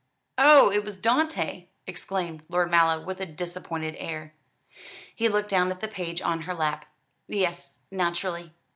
"Oh, it was Dante!" exclaimed Lord Mallow, with a disappointed air. He looked down at the page on her lap. "Yes, naturally."